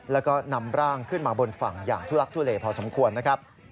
แล้วก็นำร่างขึ้นมาบนฝั่งอย่างทุลักทุเลพอสมควรนะครับ